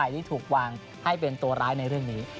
ที่ถูกวางให้เป็นตัวร้ายในเรื่องนี้